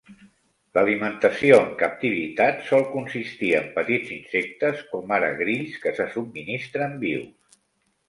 L'alimentació en captivitat sol consistir en petits insectes, com ara grills, que se subministren vius.